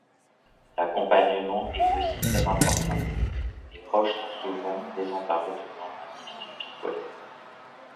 L’accompagnement est aussi très important, les proches sont souvent désemparés devant un individu bipolaire.